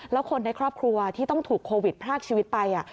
แล้วคนในครอบครัวที่ต้องถูกโควิดพรากชีวิตไป